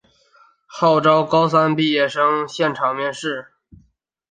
号召高三毕业生现场面试